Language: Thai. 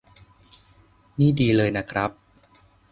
นี่ดีเลยนะครับ